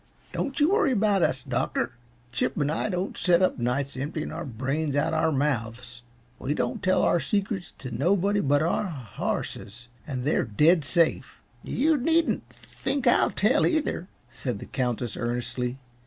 Don't you worry about us, Doctor. Chip and I don't set up nights emptying our brains out our mouths. We don't tell our secrets to nobody but our horses and they're dead safe." "You needn't think I'll tell, either," said the Countess, earnestly.